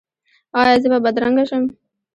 ایا زه به بدرنګه شم؟